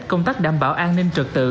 công tác đảm bảo an ninh trực tự